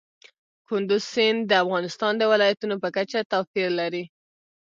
کندز سیند د افغانستان د ولایاتو په کچه توپیر لري.